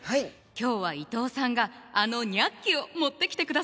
今日は伊藤さんがあの「ニャッキ！」を持ってきてくださったのよ。